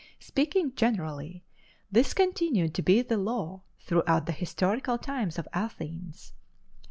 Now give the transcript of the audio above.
Speaking generally, this continued to be the law throughout the historical times of Athens.